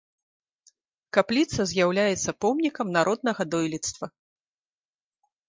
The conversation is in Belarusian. Капліца з'яўляецца помнікам народнага дойлідства.